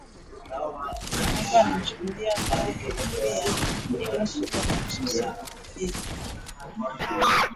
haraka anamchukulia mme wake kofia iliyosukwa na ususi mithili